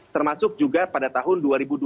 termasuk juga pada tahun dua ribu tiga belas